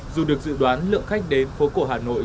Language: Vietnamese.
dù được dự đoán lượng khách đến phố cổ hà nội